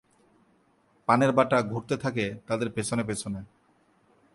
পানের বাটা ঘুরতে থাকে তাদের পেছনে পেছনে।